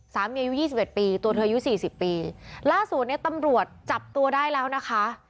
อายุยี่สิบเอ็ดปีตัวเธออายุสี่สิบปีล่าสุดเนี้ยตำรวจจับตัวได้แล้วนะคะ